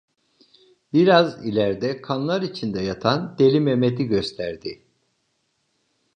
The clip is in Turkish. Biraz ileride kanlar içinde yatan Deli Mehmet’i gösterdi.